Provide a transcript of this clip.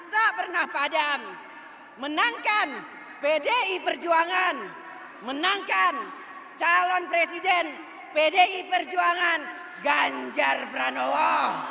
tak pernah padam menangkan pdi perjuangan menangkan calon presiden pdi perjuangan ganjar pranowo